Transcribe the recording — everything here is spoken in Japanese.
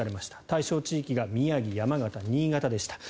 対象地域が宮城、山形、新潟でした。